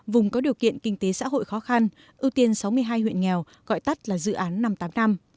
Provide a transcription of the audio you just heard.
vùng có điều kiện kinh tế xã hội khó khăn ưu tiên sáu mươi hai huyện nghèo gọi tắt là dự án năm tám năm